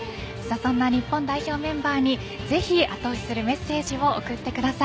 そんな日本代表メンバーにあと押しするするメッセージを送ってください。